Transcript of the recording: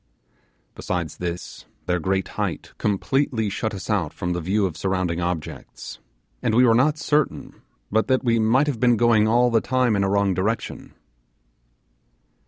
Besides this, their great height completely shut us out from the view of surrounding objects, and we were not certain but that we might have been going all the time in a wrong direction.